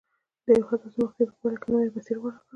د یوې حساسې مقطعې په پایله کې یې نوی مسیر غوره کړ.